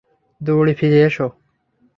দৌড়ে ফিরে এসো!